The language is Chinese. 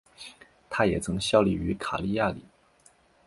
他也曾效力于卡利亚里。